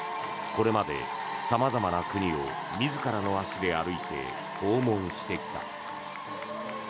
これまで様々な国を自らの足で歩いて訪問してきた。